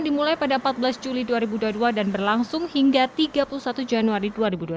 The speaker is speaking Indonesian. dimulai pada empat belas juli dua ribu dua puluh dua dan berlangsung hingga tiga puluh satu januari dua ribu dua puluh